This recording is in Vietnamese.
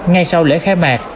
ngay sau lễ khai mạc